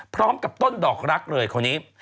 พร้อมกับต้นดอกรักเลยคนนี้